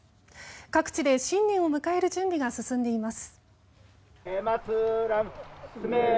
各地で新年を迎える準備が進んでいます。